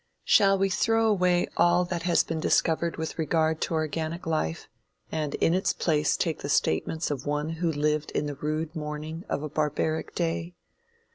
Shall we throw away all that has been discovered with regard to organic life, and in its place take the statements of one who lived in the rude morning of a barbaric day?